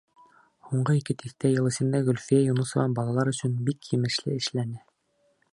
Һуңғы ике тиҫтә йыл эсендә Гөлфиә Юнысова балалар өсөн бик емешле эшләне.